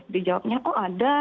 dijawabnya kok ada